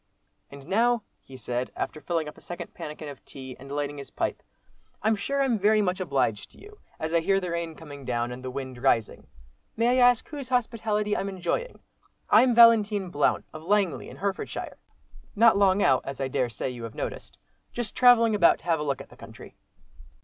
"And now," he said, after filling up a second pannikin of tea, and lighting his pipe, "I'm sure I'm very much obliged to you, as I hear the rain coming down, and the wind rising. May I ask whose hospitality I'm enjoying? I'm Valentine Blount of Langley in Herefordshire. Not long out, as I dare say you have noticed. Just travelling about to have a look at the country."